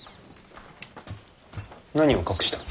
何を隠した？